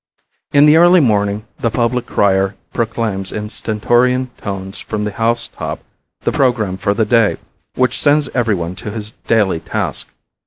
In the early morning the public crier proclaims in stentorian tones from the housetop the program for the day, which sends everyone to his daily task.